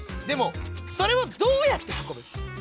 でもそれをどうやってはこぶ？